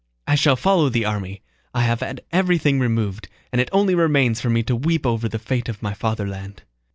I shall follow the army. I have had everything removed, and it only remains for me to weep over the fate of my fatherland.